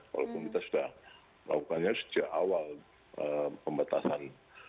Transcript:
walaupun kita sudah melakukannya sejak awal pembatasan